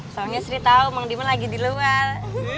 soalnya sri tau mang dimang lagi di luar